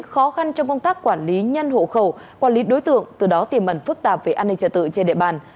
khó khăn trong công tác quản lý nhân hộ khẩu quản lý đối tượng từ đó tiềm mẩn phức tạp về an ninh trật tự trên địa bàn